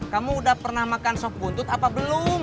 kamu udah pernah makan sop buntut apa belum